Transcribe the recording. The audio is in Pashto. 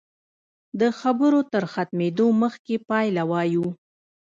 د خبرو تر ختمېدو مخکې پایله وایو.